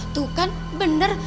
tuh kan bener